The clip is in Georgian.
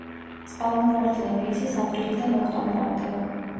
წყალმოვარდნები იცის აპრილიდან ოქტომბრამდე.